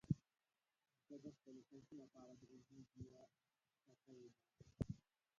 نیکه د خپلو خلکو لپاره د امید یوه ټکۍ ده.